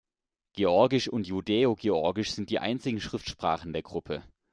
Georgisch und Judäo-Georgisch sind die einzigen Schriftsprachen der Gruppe.